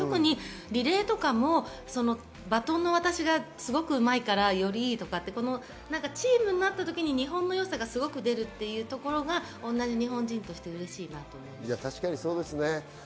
リレーとかもバトンの渡しがすごくうまいから、より良いとかチームになった時に日本のよさが出るというところが同じ日本人として嬉しいです。